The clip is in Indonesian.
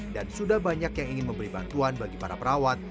dan sudah banyak yang ingin memberi bantuan bagi para perawat